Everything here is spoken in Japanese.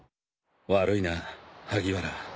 悪いな萩原